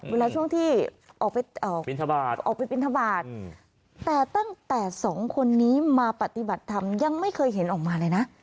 เวลาช่วงที่ออกไปบินทบาทออกไปบินทบาทแต่ตั้งแต่สองคนนี้มาปฏิบัติธรรมยังไม่เคยเห็นออกมาเลยนะ